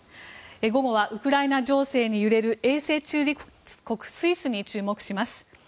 午後はウクライナ情勢に揺れる永世中立国スイスに注目します。